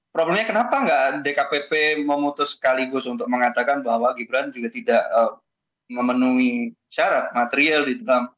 problemnya kenapa nggak dkpp memutus sekaligus untuk mengatakan bahwa gibran juga tidak memenuhi syarat material di dalam